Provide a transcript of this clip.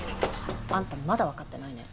あんたまだわかってないね。